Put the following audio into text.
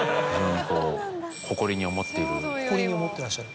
誇りに思っていらっしゃる。